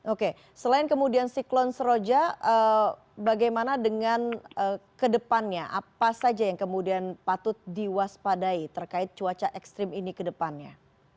oke selain kemudian siklon seroja bagaimana dengan kedepannya apa saja yang kemudian patut diwaspadai terkait cuaca ekstrim ini ke depannya